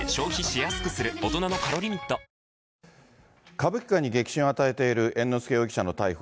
歌舞伎界に激震を与えている猿之助容疑者の逮捕。